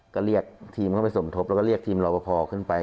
ก็เรียกทีมเข้าไปสมทบแล้วก็เรียกทีมรอบพอขึ้นไป